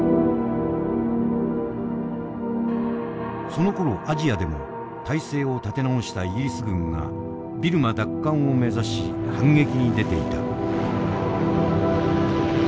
そのころアジアでも態勢を立て直したイギリス軍がビルマ奪還を目指し反撃に出ていた。